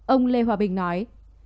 ông lê hòa bình nói